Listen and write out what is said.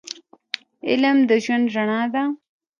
علم د ژوند رڼا ده